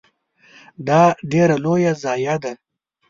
دا ډیره لوی ضایعه ده .